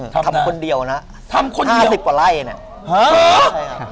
ทำคนเดียวนะ๕๐กว่าไรเนี่ย